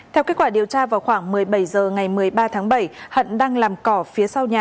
theo kết quả điều tra vào khoảng một mươi bảy h ngày một mươi ba tháng bảy hận đang làm cỏ phía sau nhà